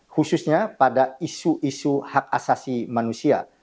khususnya pada isu isu hak asasi manusia